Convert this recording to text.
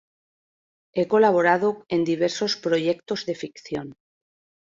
Ha colaborado en diversos proyectos de ficción.